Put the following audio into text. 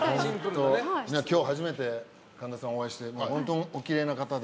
今日初めて神田さんにお会いして本当、おきれいな方で。